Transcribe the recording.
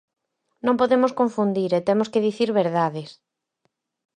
Non podemos confundir e temos que dicir verdades.